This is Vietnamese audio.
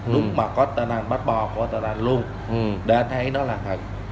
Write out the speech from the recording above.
nút mạng code tên anh bắt bò của tên anh luôn để anh thấy nó là thật